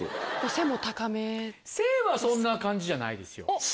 背はそんな感じじゃないですよ。